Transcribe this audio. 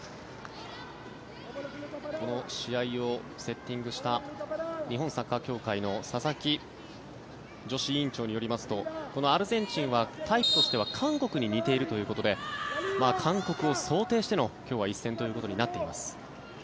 この試合をセッティングした日本サッカー協会の佐々木女子委員長によりますとこのアルゼンチンはタイプとしては韓国に似ているということで韓国を想定しての今日は一戦ということになっています。